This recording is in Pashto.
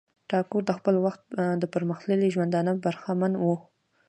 ټاګور د خپل وخت د پرمختللی ژوندانه برخمن وو.